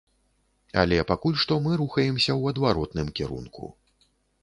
Але пакуль што мы рухаемся ў адваротным кірунку.